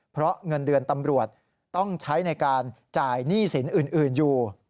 เพราะเงินเดือนตำรวจต้องใช้ในการจ่ายหนี้สินอื่นอยู่